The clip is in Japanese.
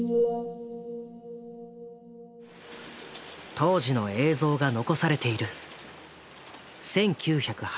当時の映像が残されている。